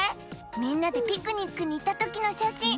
みんなでピクニックにいったときのしゃしん。